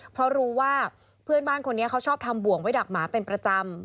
เพราะรู้ว่าเพื่อนบ้านคนนี้เขาชอบทำบ่วงไว้ดักหมาเป็นประจำ